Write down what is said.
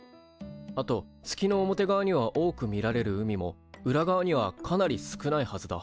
あと月の表側には多く見られる海も裏側にはかなり少ないはずだ。